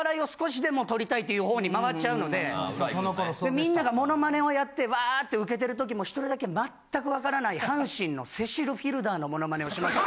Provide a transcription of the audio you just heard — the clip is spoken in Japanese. みんながモノマネをやってワーってウケてる時も１人だけ全くわからない阪神のセシル・フィルダーのモノマネをしました。